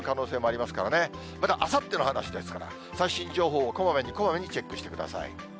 また、あさっての話ですから、最新情報をこまめこまめに、チェックしてください。